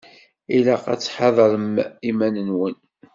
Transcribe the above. Ilaq ad tḥadrem iman-nwen.